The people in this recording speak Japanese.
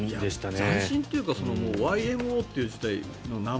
斬新というかＹＭＯという自体の名前